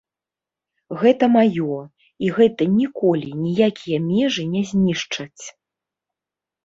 Гэта маё, і гэта ніколі ніякія межы не знішчаць.